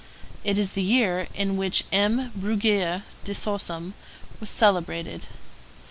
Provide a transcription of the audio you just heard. It is the year in which M. Bruguière de Sorsum was celebrated.